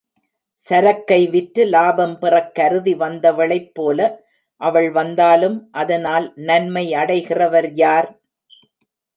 சரக்கை விற்று லாபம் பெறக் கருதி வந்தவளைப் போல அவள் வந்தாலும், அதனால் நன்மை அடைகிறவர் யார்?